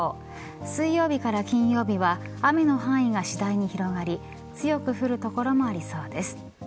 水曜日から金曜日は雨の範囲が次第に広がり強く降る所もありそうです。